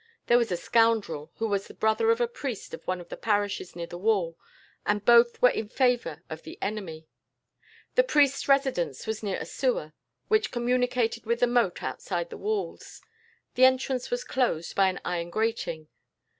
There was a scoundrel, who was brother of the priest of one of the parishes near the wall, and both were in favour of the enemy. The priest's residence was near a sewer, which communicated with the moat outside the walls. The entrance was closed by an iron grating.